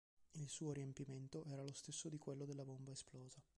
Il suo riempimento era lo stesso di quello della bomba esplosa.